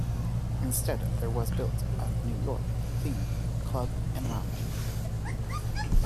Instead, there was built a New York-themed club and lounge.